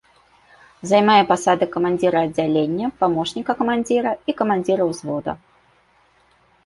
Займае пасады камандзіра аддзялення, памочніка камандзіра і камандзіра ўзвода.